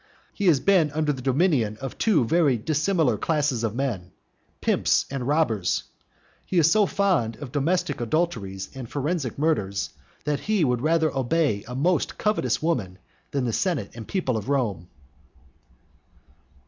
He has always been under the dominion of two very dissimilar classes of men, pimps and robbers; he is so fond of domestic adulteries and forensic murders, that he would rather obey a most covetous woman than the senate and people of Rome.